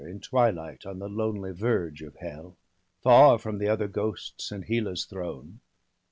In twilight, on the lonely verge of Hell, Far from the other ghosts, and Hela's throne.?